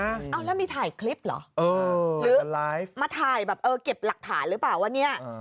เอาแล้วมีถ่ายคลิปเหรอหรือมาถ่ายแบบเออเก็บหลักฐานหรือเปล่าว่าเนี่ย